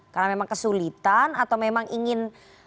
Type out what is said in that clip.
karena memang kesulitan atau memang ingin